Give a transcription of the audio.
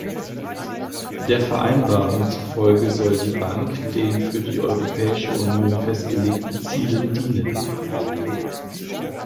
Der Vereinbarung zufolge soll die Bank den für die Europäische Union festgelegten Zielen dienen.